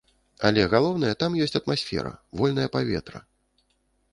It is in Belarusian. Але, галоўнае, там ёсць атмасфера, вольнае паветра!